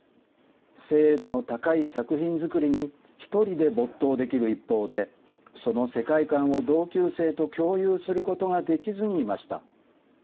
精度の高い作品作りに１人で没頭できる一方で、その世界観を同級生と共有することができずにいました。